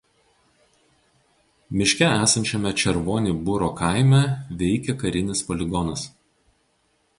Miške esančiame Červoni Buro kaime veikė karinis poligonas.